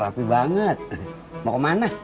rapi banget mau kemana